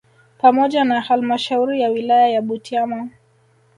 Pamoja na halmashauri ya wilaya ya Butiama